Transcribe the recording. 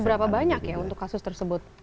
berapa banyak ya untuk kasus tersebut